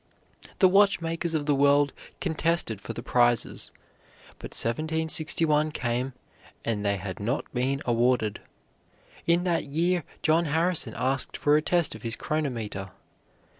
The watchmakers of the world contested for the prizes, but 1761 came, and they had not been awarded. In that year John Harrison asked for a test of his chronometer.